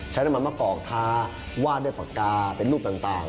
ใช้น้ำมันมะกอกทาวาดด้วยปากกาเป็นรูปต่าง